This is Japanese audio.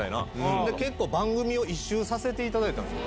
で、結構、番組を一周させていただいたんですよ。